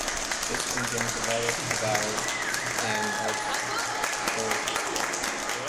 This engine developed about and of torque.